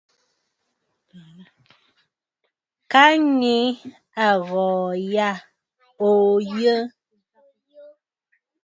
Ka ŋyi aghɔ̀ɔ̀ yâ, òo yə̂.